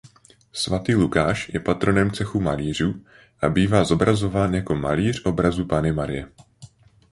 Sv. Lukáš je patronem cechu malířů a bývá zobrazován jako malíř obrazu Panny Marie.